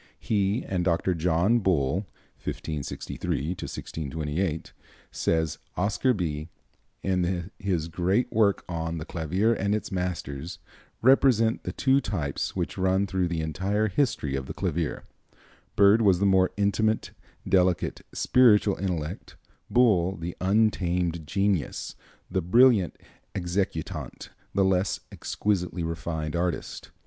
He and Dr. John Bull (1563 1628), says Oscar Bie, in his great work on "The Clavier and Its Masters," "represent the two types which run through the entire history of the clavier. Byrd was the more intimate, delicate, spiritual intellect; Bull the untamed genius, the brilliant executant, the less exquisitely refined artist.